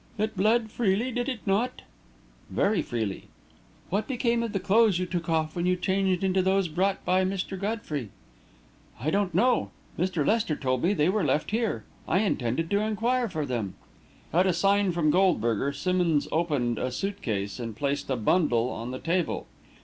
"It bled freely, did it not?" "Very freely." "What became of the clothes you took off when you changed into those brought by Mr. Godfrey?" "I don't know. Mr. Lester told me they were left here. I intended to inquire for them." At a sign from Goldberger, Simmonds opened a suit case and placed a bundle on the table.